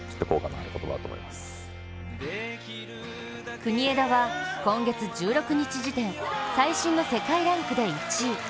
国枝は今月１６日時点、最新の世界ランクで１位。